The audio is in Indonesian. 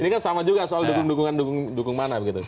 ini kan sama juga soal dukungan dukungan mana begitu